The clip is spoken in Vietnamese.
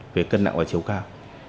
về cân nặng và chiều cao